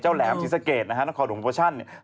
เจ้าแหลมซิสเกษนะครับน้องคอหลุมโปรชั่นเนี่ย